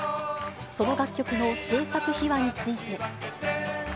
その楽曲の制作秘話について。